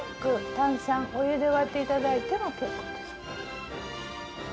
炭酸お湯で割って頂いても結構です。